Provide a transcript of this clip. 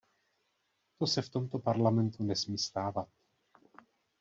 To se v tomto Parlamentu nesmí stávat.